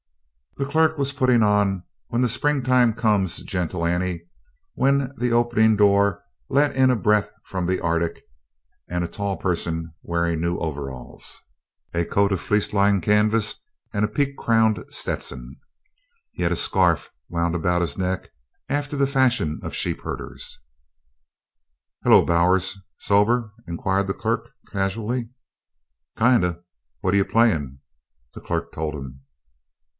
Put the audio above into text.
The clerk was putting on "When the Springtime Comes, Gentle Annie" when the opening door let in a breath from the Arctic and a tall person wearing new overalls, a coat of fleece lined canvas and a peak crowned Stetson. He had a scarf wound about his neck after the fashion of sheepherders. "Hello, Bowers! Sober?" inquired the clerk, casually. "Kinda. What you playin'?" The clerk told him.